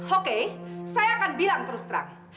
oke saya akan bilang terus terang